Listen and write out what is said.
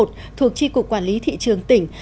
thuộc chi cục quản lý thị trường tỉnh